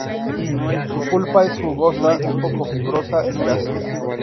Su pulpa es jugosa, un poco fibrosa y ácida.